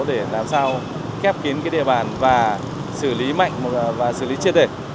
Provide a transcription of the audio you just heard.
để làm sao kép kín địa bàn và xử lý mạnh và xử lý trên đề